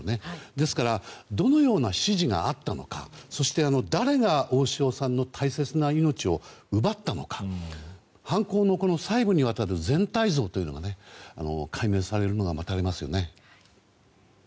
ですからどのような指示があったのかそして誰が大塩さんの大切な命を奪ったのか犯行の最後にわたる全体像というのが解明されるのが待たれますよね。